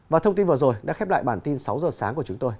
và thông tin vừa rồi đã khép lại bản tin sáu giờ sáng của chúng tôi